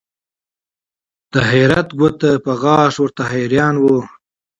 د حیرت ګوته په غاښ ورته حیران وه